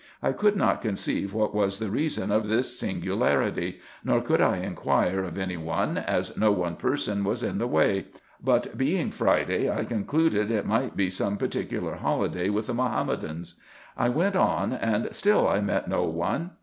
I could not conceive what was the reason of this singularity, nor could I inquire of any one, as no per son was in the way ; but, being Friday, I concluded it might be some particular holiday with the Mahommedans. I went on, and still I met no one.